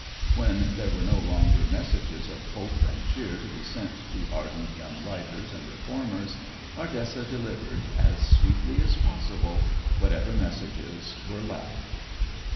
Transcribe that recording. When there were no longer messages of hope and cheer to be sent to ardent young writers and reformers, Ardessa delivered, as sweetly as possible, whatever messages were left.